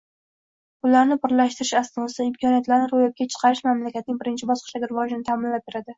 bularni birlashtirish asnosida imkoniyatlarni ro‘yobga chiqarish mamlakatning birinchi bosqichdagi rivojini ta’minlab beradi.